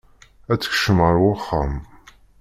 Ad tekcem ar wexxam.